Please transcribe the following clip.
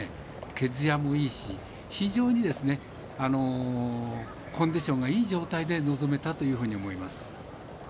毛づやもいいし非常にコンディションがいい状態で臨めたというふうに思います。